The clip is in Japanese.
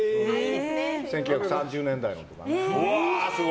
１９３０年代のとかね。